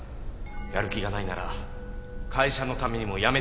やる気がないなら会社のためにも辞めてほしい。